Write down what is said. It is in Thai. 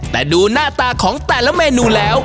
แต่ดูหน้าตาของแต่ละเมนูแล้ว